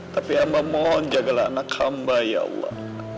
tapi hamba mohon jagalah anak hamba ya allah